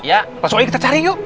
ya langsung aja kita cari yuk